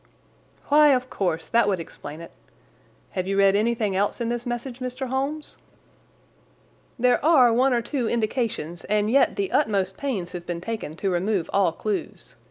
"Why, of course, that would explain it. Have you read anything else in this message, Mr. Holmes?" "There are one or two indications, and yet the utmost pains have been taken to remove all clues.